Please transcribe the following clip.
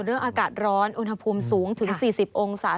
ส่วนเรื่องอากาศร้อนอุณหภูมิสูงถึง๔๐องศา